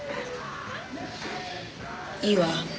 いいわ。